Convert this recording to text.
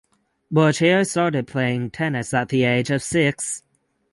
Bourchier started playing tennis at the age of six.